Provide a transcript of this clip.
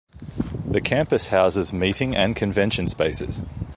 The campus houses meeting and convention spaces.